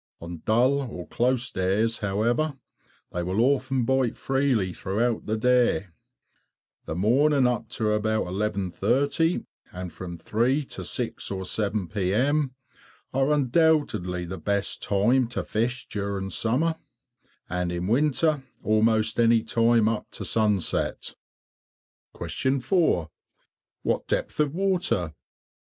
On dull, "close" days, however, they will often bite freely throughout the day. The morning up to about 11.30, and from 3 to 6 or 7 p.m. are undoubtedly the best times to fish during summer, and in winter almost any time up to sunset. 4. What depth of water?